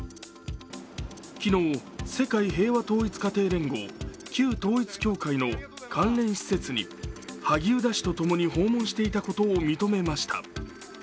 昨日、世界平和統一家庭連合、旧統一教会の関連施設に萩生田氏とともに訪問していたことを認めました。